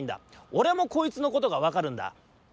おれもこいつのことがわかるんだ。